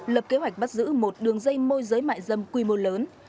lập kế hoạch bắt giữ một đường dây mua giấy mại dâm quy mô lớn